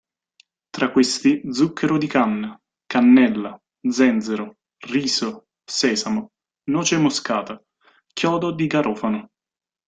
Tra questi zucchero di canna, cannella, zenzero, riso, sesamo, noce moscata, chiodo di garofano.